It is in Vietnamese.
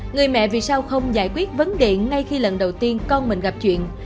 người mẹ vì sao không giải quyết vấn đề ngay khi lần đầu tiên con mình gặp chuyện